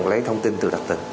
lấy thông tin từ đặc tình